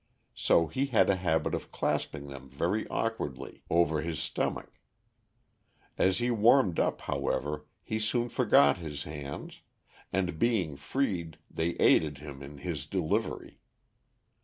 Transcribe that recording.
So he had a habit of clasping them very awkwardly over his stomach. As he warmed up, however, he soon forgot his hands; and being freed, they aided him in his delivery.